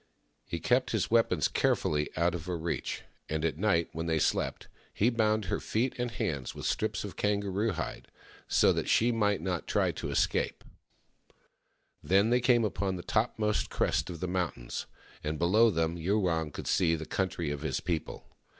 He kept his weapons carefully out of her 142 THE MAIDEN WHO FOUND THE MOON reach, and at night, when they slept, he bound her feet and hands with strips of kangaroo hide, so that she might not try to escape. Then they came to the topmost crest of the mountains, and below them Yurong could see the country of his people.